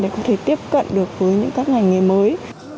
để có thể tiếp cận được với những các ngành nghề mới